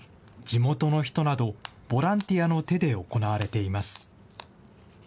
地元の人などボランティアの手で行われています。